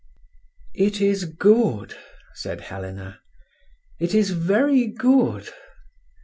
"It is good," said Helena; "it is very good."